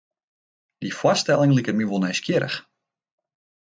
Dy foarstelling liket my wol nijsgjirrich.